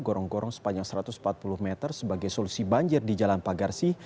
gorong gorong sepanjang satu ratus empat puluh meter sebagai solusi banjir di jalan pagarsi